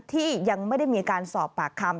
ที่ยังไม่ได้มีการสอบปากคำ